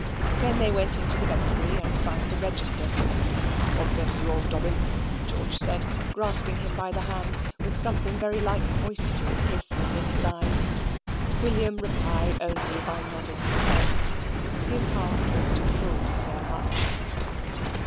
Then they went into the vestry and signed the register. "God bless you, Old Dobbin," George said, grasping him by the hand, with something very like moisture glistening in his eyes. William replied only by nodding his head. His heart was too full to say much.